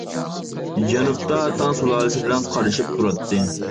جەنۇبتا تاڭ سۇلالىسى بىلەن قارىشىپ تۇراتتى.